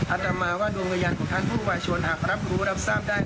อาตมาว่าดวงวิญญาณของท่านผู้วายชนหากรับรู้รับทราบได้